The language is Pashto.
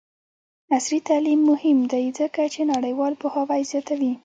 عصري تعلیم مهم دی ځکه چې نړیوال پوهاوی زیاتوي.